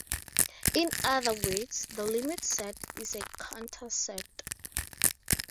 In other words, the limit set is a Cantor set.